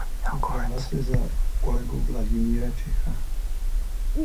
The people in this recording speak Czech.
Vdala se za kolegu Vladimíra Čecha.